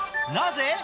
なぜ？